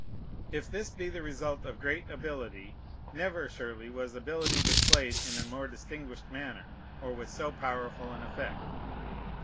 If this be the result of great ability, never surely was ability displayed in a more distinguished manner or with so powerful an effect.